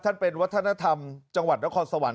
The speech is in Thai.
ท่านเป็นวัฒนธรรมจังหวัดและคอร์สสวรรค์